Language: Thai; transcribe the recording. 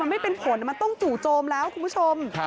ไม่เป็นผลมันต้องจู่โจมแล้วคุณผู้ชม